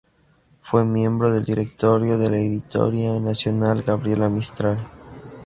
Fue miembro del directorio de la Editora Nacional Gabriela Mistral.